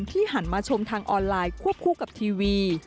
หันมาชมทางออนไลน์ควบคู่กับทีวี